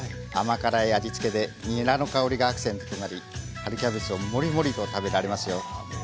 甘辛い味付けでにらの香りがアクセントになり春キャベツをもりもりと食べられますよ。